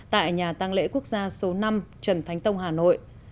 tại nhà tăng lễ quốc gia số năm trần thánh tông hà nội